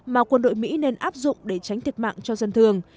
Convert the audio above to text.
mà quân đội mỹ nên áp dụng để tránh thiệt mạng cho dân thường